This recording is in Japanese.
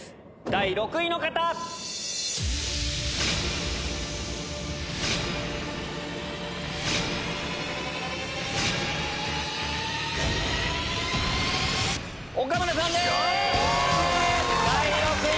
第６位は岡村さんです！